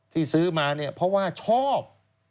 ที่ซื้อมาเพราะว่าชอบ